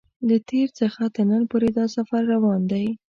له تېر څخه تر نن پورې دا سفر روان دی.